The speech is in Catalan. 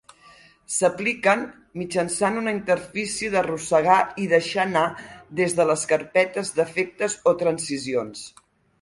S'apliquen mitjançant una interfície d'arrossegar i deixar anar des de les carpetes d'efectes o transicions.